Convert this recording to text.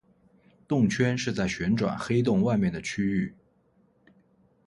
动圈是在旋转黑洞外面的区域。